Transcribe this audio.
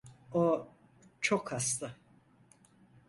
O çok hasta.